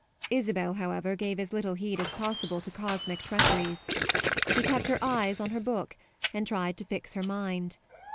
Isabel, however, gave as little heed as possible to cosmic treacheries; she kept her eyes on her book and tried to fix her mind.